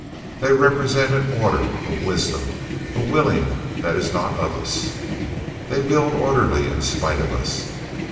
They represent an order, a wisdom, a willing that is not of us. They build orderly in spite of us.